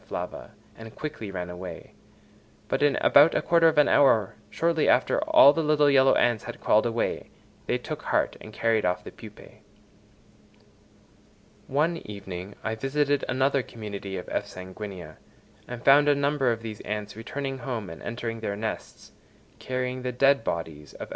flava, and quickly ran away; but in about a quarter of an hour, shortly after all the little yellow ants had crawled away, they took heart and carried off the pupæ. One evening I visited another community of F. sanguinea, and found a number of these ants returning home and entering their nests, carrying the dead bodies of F.